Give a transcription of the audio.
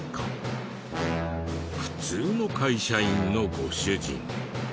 普通の会社員のご主人。